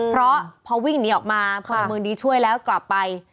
เพราะพอวิ่งหนีออกมาพลเมืองดีช่วยแล้วกลับไป